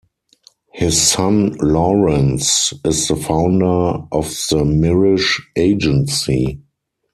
His son Lawrence is the founder of the Mirisch Agency.